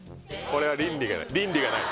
これは倫理がない？